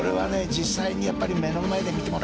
実際にやっぱり目の前で見てもらいたいな。